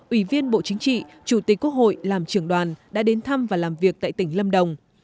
ủy viên bộ chính trị chủ tịch quốc hội làm trưởng đoàn đã đến thăm và làm việc tại tỉnh lâm đồng